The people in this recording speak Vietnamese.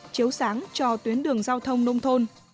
chiếu sáng cho tuyến đường giao thông nông thôn